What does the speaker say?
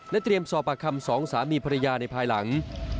เตรียมสอบปากคำสองสามีภรรยาในภายหลัง